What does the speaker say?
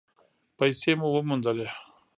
پیسې مو وموندلې؟